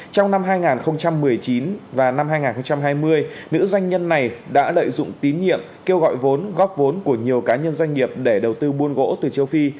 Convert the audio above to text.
trong năm hai nghìn một mươi chín và năm hai nghìn hai mươi nữ doanh nhân này đã lợi dụng tín nhiệm kêu gọi vốn góp vốn của nhiều cá nhân doanh nghiệp để đầu tư buôn gỗ từ châu phi